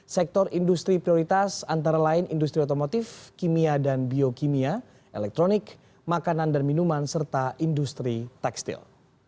sektor industri prioritas antara lain industri otomotif kimia dan biokimia elektronik makanan dan minuman serta industri tekstil